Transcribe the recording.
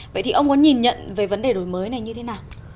vậy thì ông có nhìn nhận về vấn đề đổi mới này như thế nào